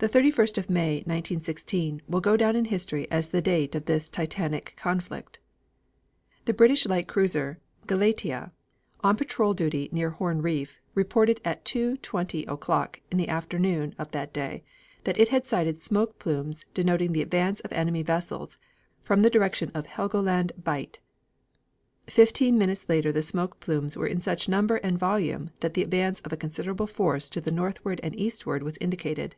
The 31st of May, 1916, will go down in history as the date of this titanic conflict. The British light cruiser Galatea on patrol duty near Horn Reef reported at 2.20 o'clock on the afternoon of that day, that it had sighted smoke plumes denoting the advance of enemy vessels from the direction of Helgoland Bight. Fifteen minutes later the smoke plumes were in such number and volume that the advance of a considerable force to the northward and eastward was indicated.